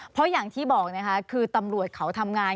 เพราะอย่างที่บอกนะคะคือตำรวจเขาทำงาน